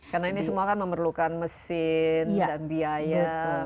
karena ini semua kan memerlukan mesin dan biaya